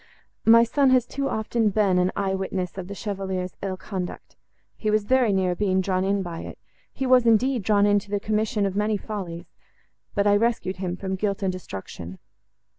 My son has too often been an eye witness of the Chevalier's ill conduct; he was very near being drawn in by it; he was, indeed, drawn in to the commission of many follies, but I rescued him from guilt and destruction.